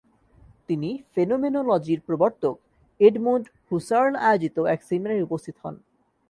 তিনি ফেনোমেনোলজির প্রবর্তক এডমুন্ড হুসার্ল আয়োজিত এক সেমিনারে উপস্থিত হন।